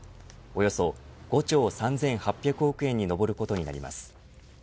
およそ５兆３８００億円に上ることになります。